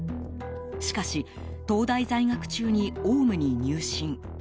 しかし東大在学中にオウムに入信。